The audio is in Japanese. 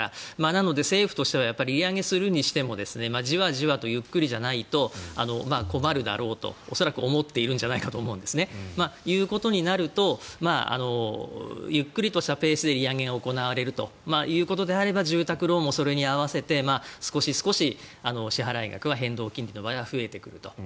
なので、政府としても利上げするにしてもじわじわとゆっくりじゃないと困るだろうと恐らく思っているんじゃないかと思うんですね。ということになるとゆっくりとしたペースで利上げが行われるということであれば住宅ローンもそれに合わせて少し少し、支払額は変動金利の場合は増えてくると。